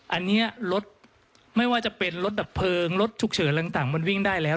อันนี้รถไม่ว่าจะเป็นรถดับเพลิงรถฉุกเฉินอะไรต่างมันวิ่งได้แล้ว